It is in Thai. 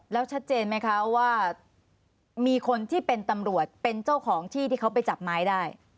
แล้วชัดเจนไหมคะว่ามีคนที่เป็นตำรวจเป็นเจ้าของที่ที่เขาไปจับไม้ได้